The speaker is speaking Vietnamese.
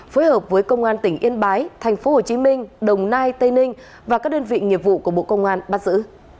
phối hợp với công an tỉnh yên bái thành phố hồ chí minh đồng nai tây ninh và các đơn vị nghiệp vụ của bộ công an bắt giữ